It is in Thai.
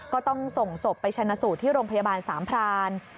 ก็ต้องส่งศพไปชนะสูตรที่โรงพยาบาลสามพราน